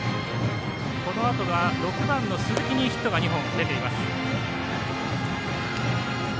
このあとは６番の鈴木にヒットが２本出ています。